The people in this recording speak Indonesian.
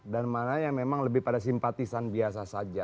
dan mana yang memang lebih pada simpatisan biasa saja